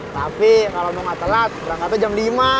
tapi kalo mau nggak telat berangkatnya jam lima